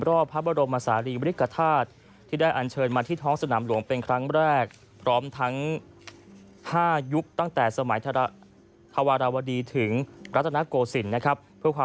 รอบพระบรมศาลีวิกษาธาตุ